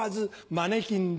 マネキンだ。